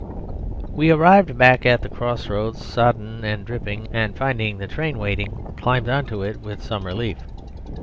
..... We arrived back at the cross roads sodden and dripping, and, finding the train waiting, climbed into it with some relief.